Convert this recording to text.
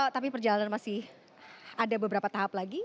tapi perjalanan masih ada beberapa tahap lagi